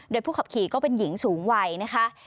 โดยผู้ขับขี่ก็เป็นหญิงสูงวัยนะคะ